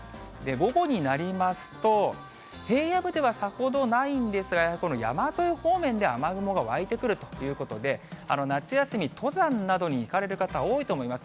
午後になりますと、平野部ではさほどないんですが、この山沿い方面では、雨雲が湧いてくるということで、夏休み、登山などに行かれる方、多いと思います。